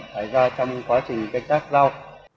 xảy ra trong quá trình canh tác rau